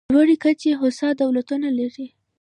لوړې کچې هوسا دولتونه لري.